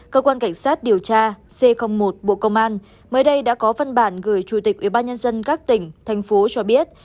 cơ quan cảnh sát điều tra c một bộ công an mới đây đã có văn bản gửi chủ tịch ubnd các tỉnh thành phố cho biết